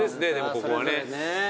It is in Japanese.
ここはね。